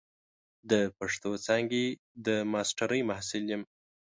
د پښتو څانګې د ماسترۍ محصل یم.